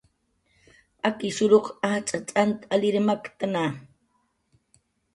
Akishuruq ajtz' t'ant alir maktna